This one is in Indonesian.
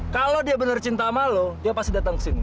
kalau dia bener cinta sama lo dia pasti datang kesini